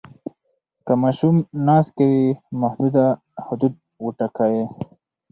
که ماشوم ناز کوي، محدوده حدود وټاکئ.